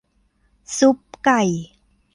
ซุปไก่